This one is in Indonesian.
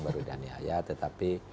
baru dianiaya tetapi